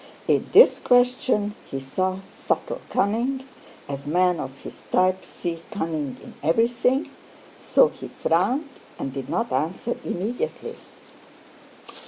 In this question he saw subtle cunning, as men of his type see cunning in everything, so he frowned and did not answer immediately.